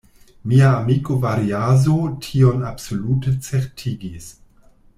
Mia amiko Variaso tion absolute certigis.